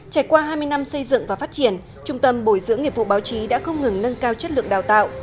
trải qua hai mươi năm xây dựng và phát triển trung tâm bồi dưỡng nghiệp vụ báo chí đã không ngừng nâng cao chất lượng đào tạo